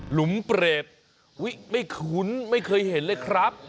หลุมเปรตไม่คุ้นไม่เคยเห็นเลยครับ